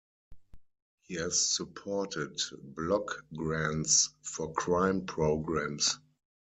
He has supported block grants for crime programs.